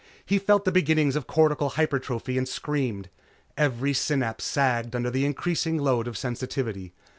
He felt the beginnings of cortical hypertrophy and screamed. Every synapse sagged under the increasing load of sensitivity.